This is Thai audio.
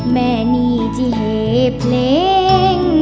แม่นี่จะเหเพลง